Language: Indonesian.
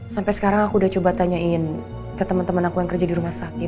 sampai sekarang aku udah coba tanyain ke teman teman aku yang kerja di rumah sakit